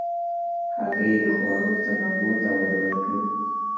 هګۍ د خوړو تنوع ته وده ورکوي.